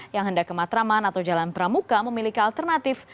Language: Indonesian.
yang hendak ke matraman atau jalan pramuka memiliki alternatif